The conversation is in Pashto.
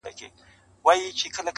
بحث لا هم دوام لري تل,